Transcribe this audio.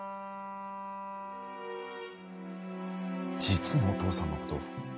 実のお父さんの事？